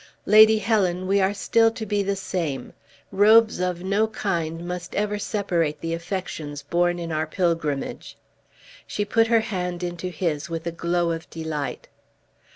"Lady Helen, we are still to be the same! Robes of no kind must ever separate the affections born in our pilgrimage!" She put her hand into his with a glow of delight.